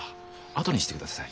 後にしてください。